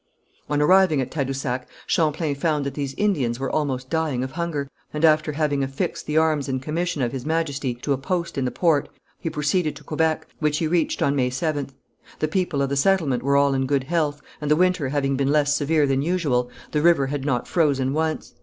On arriving at Tadousac, Champlain found that these Indians were almost dying of hunger, and after having affixed the arms and commission of His Majesty to a post in the port, he proceeded to Quebec, which he reached on May 7th. The people of the settlement were all in good health, and the winter having been less severe than usual, the river had not frozen once.